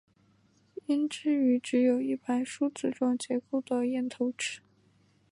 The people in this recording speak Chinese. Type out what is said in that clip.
胭脂鱼只有一排梳子状结构的咽头齿。